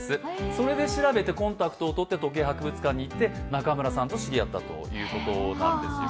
それで調べてコンタクトを取って時計博物館に行って中村さんと知り合ったということなんですね。